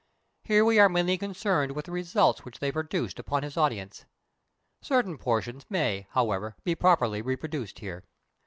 Here we are mainly concerned with the results which they produced upon his audience. Certain portions may, however, be properly reproduced here.